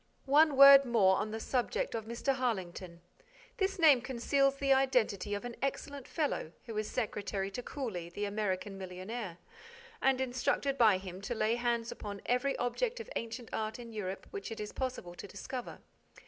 One word more on the subject of Mr. Harlington. This name conceals the identity of an excellent fellow, who is secretary to Cooley, the American millionaire, and instructed by him to lay hands upon every object of ancient art in Europe which it is possible to discover.